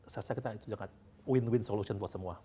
saya rasa kita jaga win win solution buat semua